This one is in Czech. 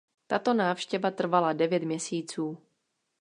Tato návštěva trvala devět měsíců.